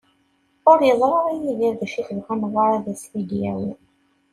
Ur yeẓri ara Yidir d acu i tebɣa Newwara ad as-t-id-yawi.